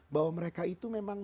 bahwa mereka itu memang